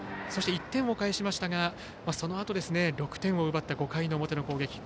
そして１点を返しましたがそのあと６点を奪った５回の表の攻撃。